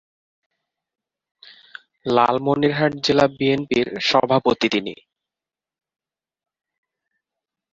লালমনিরহাট জেলা বিএনপির সভাপতি তিনি।